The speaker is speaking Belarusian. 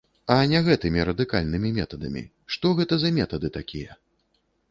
А не гэтымі радыкальнымі метадамі, што гэта за метады такія?